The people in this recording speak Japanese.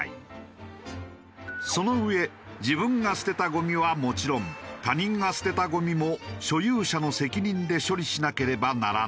その上自分が捨てたゴミはもちろん他人が捨てたゴミも所有者の責任で処理しなければならない。